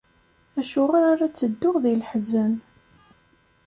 Acuɣer ara ttedduɣ di leḥzen.